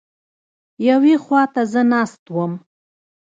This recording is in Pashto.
یوې خوا ته زه ناست وم.